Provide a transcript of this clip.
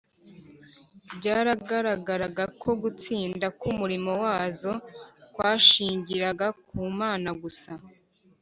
byaragaragaraga ko gutsinda k’umurimo wazo kwashingiraga ku mana gusa